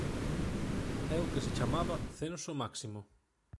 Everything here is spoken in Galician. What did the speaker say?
É o que se chamaba censo máximo.